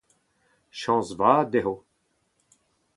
Chañs vat dezhe !